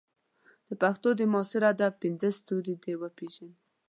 د پښتو د معاصر ادب پنځه ستوري دې وپېژني.